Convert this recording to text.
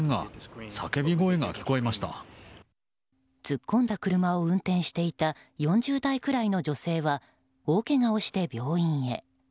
突っ込んだ車を運転していた４０代くらいの女性は大けがをして病院へ。